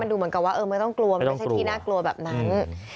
ดูเหมือนกับว่าไม่ต้องกลัวมันไม่ใช่ที่น่ากลัวแบบนั้น